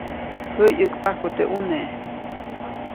Jäyʼäkpajku teʼ ʼuneʼ.